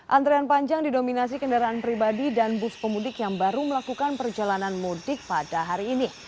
antrian panjang didominasi kendaraan pribadi dan bus pemudik yang baru melakukan perjalanan mudik pada hari ini